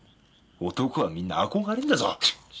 男はみんな憧れるんだぞ！